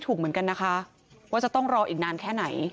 ถูกเหมือนกันนะคะว่าจะต้องรออีกนานแค่ไหน